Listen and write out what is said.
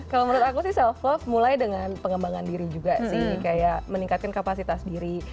kalau menurut aku sih self love mulai dengan pengembangan diri juga sih kayak meningkatkan kapasitas diri